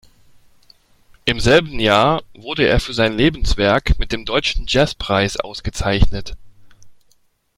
Im selben Jahr wurde er für sein Lebenswerk mit dem Deutschen Jazzpreis ausgezeichnet.